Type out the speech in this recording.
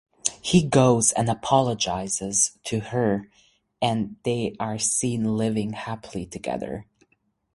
He goes and apologises to her and they are seen living happily together.